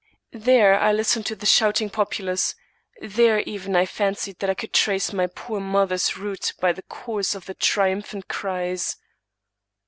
There I listened to the shouting populace ; there even I fancied that I could trace my poor mother's route by the course of the triumph ant cries.